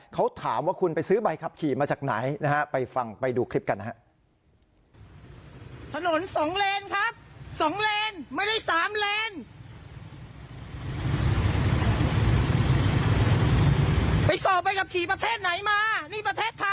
เขาถามว่าคุณไปซื้อใบขับขี่มาจากไหนนะฮะไปฟังไปดูคลิปกันนะฮะ